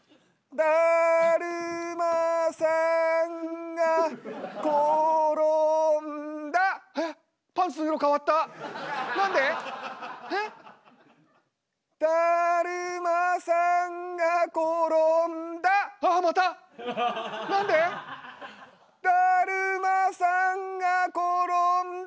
だるまさんが転んだ！